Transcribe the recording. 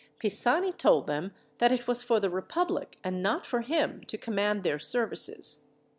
Pisani told them that it was for the republic, and not for him, to command their services.